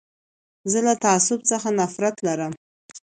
زه له تعصب څخه نفرت لرم.